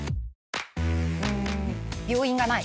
病院がない。